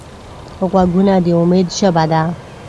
غوږونه د امید ژبه ده